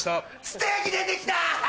ステーキ出て来た！